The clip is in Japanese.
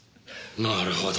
なるほど。